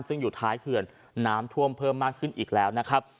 ซึ่งอยู่ท้ายเขื่อนน้ำท่วมเพิ่มมากขึ้นอีกแล้วนะครับ